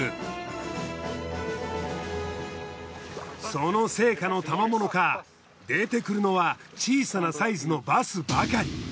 その成果のたまものか出てくるのは小さなサイズのバスばかり。